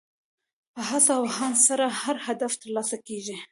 په هڅه او هاند سره هر هدف ترلاسه کېږي.